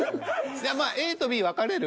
じゃまあＡとＢ分かれる？